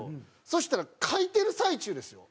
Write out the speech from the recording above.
そしたら書いてる最中ですよ